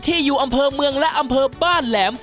อยู่อำเภอเมืองและอำเภอบ้านแหลม